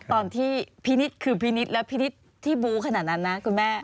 ตอนที่พี่นิดคือพี่นิดและพี่นิดที่บู๊ขนาดนั้นนะคุณแม่